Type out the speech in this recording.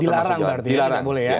dilarang berarti ya